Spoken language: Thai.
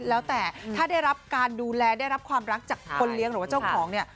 แล้วแต่ถ้าได้รับการดูแลได้รับความรักจากคนเลี้ยงหรือว่าเจ้าของเนี่ย